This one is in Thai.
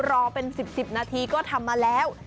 รอเป็น๑๐๑๐นาทีก็ทำมาแล้ว